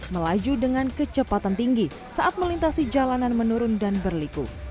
melaju dengan kecepatan tinggi saat melintasi jalanan menurun dan berliku